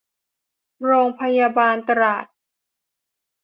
โรงพยาบาลตราด